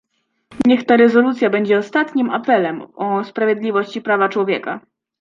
Niech ta rezolucja będzie ostatnim apelem o sprawiedliwość i prawa człowieka